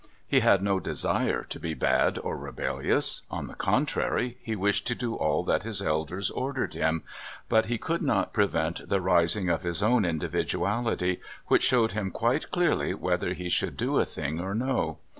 He had no desire to be bad or rebellious on the contrary he wished to do all that his elders ordered him but he could not prevent the rising of his own individuality, which showed him quite clearly whether he should do a thing or no.